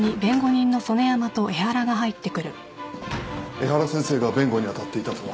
江原先生が弁護にあたっていたとは。